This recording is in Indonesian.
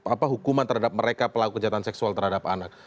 apa hukuman terhadap mereka pelaku kejahatan seksual terhadap anak